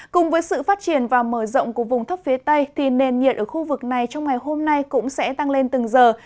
cùng với sự phát triển và mở rộng của vùng thấp phía tây thì nền nhiệt ở khu vực này trong ngày hôm nay cũng sẽ tăng lên từng giờ